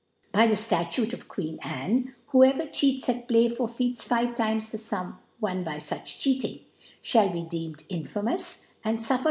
By the Statute of Queen Anm'*^ whoever cheats at Play, forfeits {five Times the Sum won by fuch Cheating, fliall be deemed infamous, arid fufFcr fudi ««